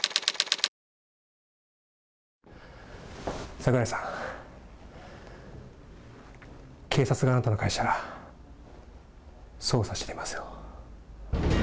桜井さん、警察があなたの会社、捜査してますよ。